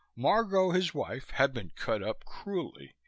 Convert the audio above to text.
Margot, his wife, had been cut up cruelly.